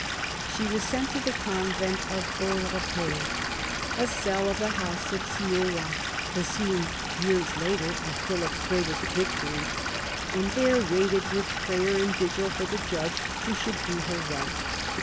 She was sent to the convent of Beaurepaire, a cell of the house of Cysoing (the scene, years later, of Philip's greatest victory), and there waited with prayer and vigil for the judge that should do her right.